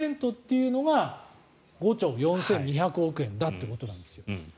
この１％というのが５兆４２００億円だということなんです。